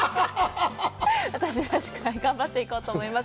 私らしく頑張っていこうと思います。